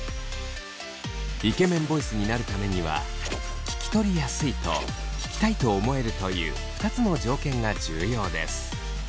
イケメンボイスになるためには聞き取りやすいと聞きたいと思えるという２つの条件が重要です。